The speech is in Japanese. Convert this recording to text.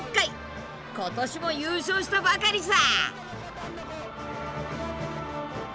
今年も優勝したばかりさ。